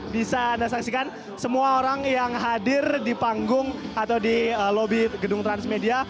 bisa anda saksikan semua orang yang hadir di panggung atau di lobi gedung transmedia